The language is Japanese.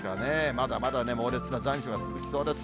まだまだ猛烈な残暑が続きそうです。